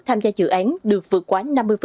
tham gia dự án được vượt quá năm mươi